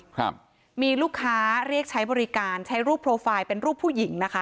ครับมีลูกค้าเรียกใช้บริการใช้รูปโปรไฟล์เป็นรูปผู้หญิงนะคะ